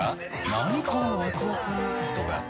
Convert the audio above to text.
なにこのワクワクとか。